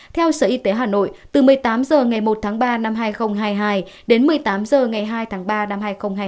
theo sở y tế hà nội từ một mươi tám h ngày một tháng ba năm hai nghìn hai mươi hai đến một mươi tám h ngày hai tháng ba năm hai nghìn hai mươi